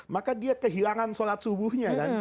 maka dia kehilangan sholat subuhnya kan